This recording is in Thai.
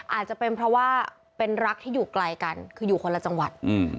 อาจจะเป็นเพราะว่าเป็นรักที่อยู่ไกลกันคืออยู่คนละจังหวัด